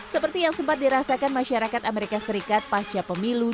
seperti yang sempat dirasakan masyarakat amerika serikat pasca pemilu dua ribu dua puluh